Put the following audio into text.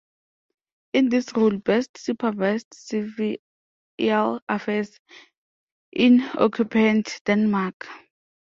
In this role, Best supervised civilian affairs in occupied Denmark.